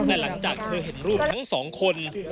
แต่หลังจากเธอเห็นรูปทั้งสองคน